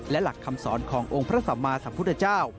และหลักคำสอนขององค์พระสัมมาสัมพุทธเจ้า